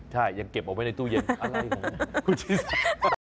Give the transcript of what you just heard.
ใช่ยังเก็บเอาไว้ในตู้เย็นอะไรของคุณชื่อ